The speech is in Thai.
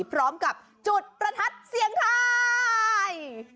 พร้อมกับจุดประทัดเสียงทาย